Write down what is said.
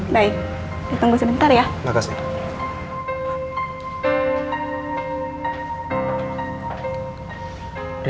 ditunggu sebentar ya